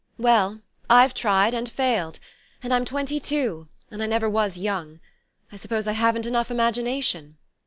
"Well, I've tried, and failed. And I'm twenty two, and I never was young. I suppose I haven't enough imagination."